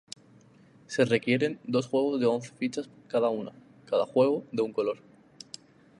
Se requieren dos juegos de once fichas cada una, cada juego de un color.